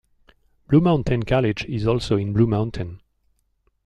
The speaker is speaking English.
Blue Mountain College is also in Blue Mountain.